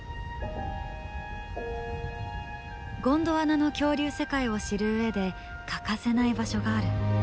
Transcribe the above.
ゴンドワナの恐竜世界を知る上で欠かせない場所がある。